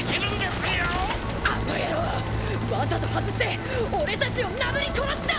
あの野郎わざと外して俺たちをなぶり殺す気だ！